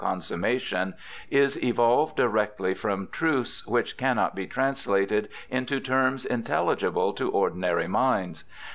HARVEY 329 consummation, is evolved directly from truths which cannot be translated into terms intelligible to ordinary minds.